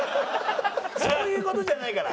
そういう事じゃないから。